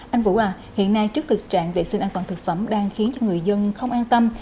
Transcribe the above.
anh vũ hòa hiện nay trước thực trạng vệ sinh an toàn thực phẩm đang khiến cho người dân không an tâm